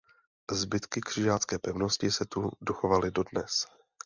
Zbytky křižácké pevnosti se tu dochovaly dodnes.